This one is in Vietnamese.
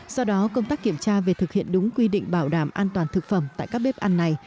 do đó công tác kiểm tra về thực hiện đúng quy định bảo đảm an toàn thực phẩm tại các bếp ăn này